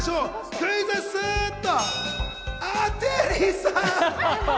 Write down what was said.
クイズッスと！